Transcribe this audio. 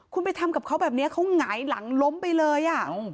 คุณไปทำกับเขาแบบนี้เขาหงายหลังล้มไปเลยอ่ะ